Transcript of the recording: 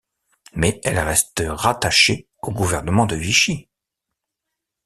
Mais elle reste rattachée au gouvernement de Vichy.